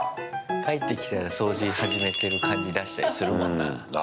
帰ってきたら、掃除始めてる感じ出したりするもんな。